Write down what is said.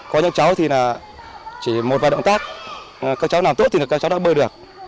có những cháu thì chỉ một vài động tác các cháu làm tốt thì các cháu đã bơi được